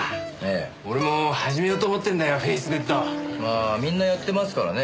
ああみんなやってますからね